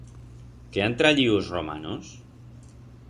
Qué han trayiu os romanos?